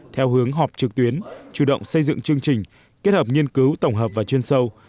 theo hướng họp trực tuyến chủ động xây dựng chương trình kết hợp nghiên cứu tổng hợp và chuyên sâu